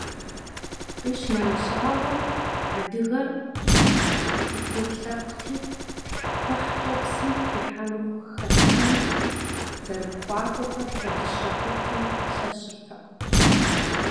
Къищынэмыщӏауэ, адыгэр хытет лъэпкъти, кхъухькӏэ псым техьэну хэтами, зэрыпхъуакӏуэхэр куэдыщэ хъурти, пэлъэщыртэкъым.